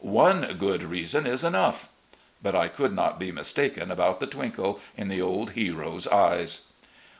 One good reason is enough' But I cotild not be mistaken about the twinkle in the old hero's eyes